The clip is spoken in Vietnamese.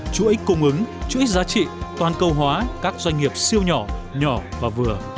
chuỗi cung ứng chuỗi giá trị toàn cầu hóa các doanh nghiệp siêu nhỏ nhỏ và vừa